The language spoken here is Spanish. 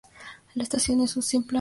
La estación es un simple apeadero.